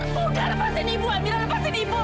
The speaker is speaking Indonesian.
bukan lepasin ibu amira lepasin ibu